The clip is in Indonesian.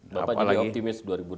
bapak jadi optimis dua ribu delapan belas